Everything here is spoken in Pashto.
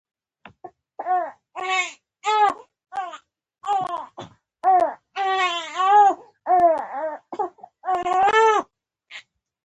دښمن د شر لور ته حرکت کوي